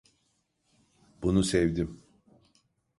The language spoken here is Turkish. Bunu sevdim.